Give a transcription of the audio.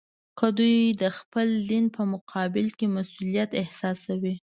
که دوی د خپل دین په مقابل کې مسوولیت احساسوي.